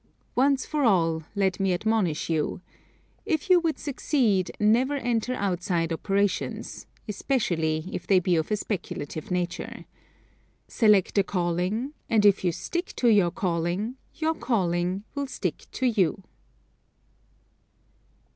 Once for all, let me admonish you: If you would succeed never enter outside operations, especially if they be of a speculative nature. Select a calling, and if you stick to your calling, your calling will stick to you.